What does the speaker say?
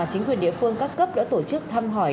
chính quyền địa phương các cấp đã tổ chức thăm hỏi